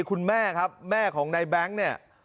คุณแม่ครับแม่ของนายแบงค์เนี่ย